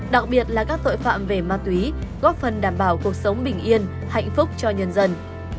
đặc biệt là các tội phạm về ma túy góp phần đảm bảo cuộc sống bình yên hạnh phúc cho nhân dân